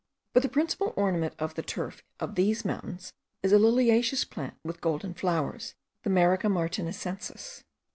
But the principal ornament of the turf of these mountains is a liliaceous plant with golden flowers, the Marica martinicensis.